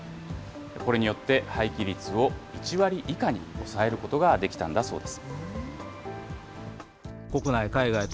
これによって、廃棄率を１割以下に抑えることができたんだそうです。